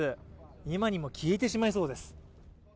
今にも消えてしまいそうです。